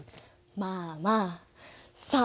まあまあさあ